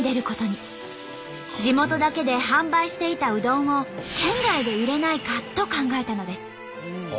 地元だけで販売していたうどんを県外で売れないかと考えたのです。